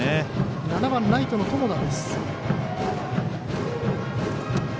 ７番ライトの友田。